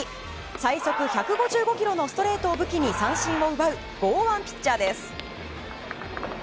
最速１５５キロのストレートを武器に三振を奪う剛腕ピッチャーです。